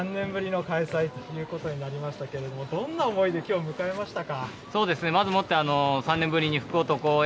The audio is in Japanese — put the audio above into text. ３年ぶりの再開ということになりましたけれども、どんな思いできょうを迎えましたか。